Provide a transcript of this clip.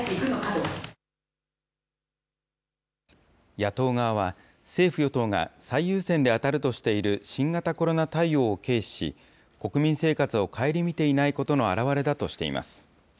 野党側は、政府・与党が最優先で当たるとしている新型コロナ対応を軽視し、国民生活を顧みていないことの表れだとしています。